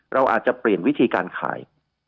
เราอาจจะเปลี่ยนวิธีการขาย